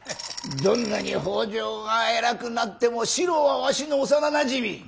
どんなに北条が偉くなっても四郎はわしの幼なじみ。